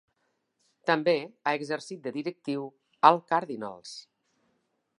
També ha exercit de directiu al Cardinals.